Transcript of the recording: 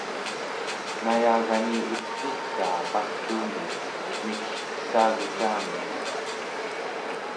nayagani iknitaa paltuuminek mikelkessagucamiu